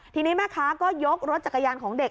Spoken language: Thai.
ทีนี้แม่ค้าก็ยกรถจักรยานของเด็ก